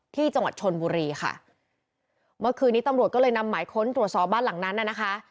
ที่จังหวัดชนบุรีค่ะเมื่อคืนนี้ตำรวจก็เลยนำหมายค้นตรวจสอบบ้านหลังนั้นน่ะนะคะ